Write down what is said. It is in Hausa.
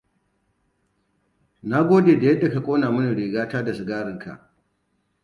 Nagode da yadda ka ƙona mini riga ta da sigarin ka.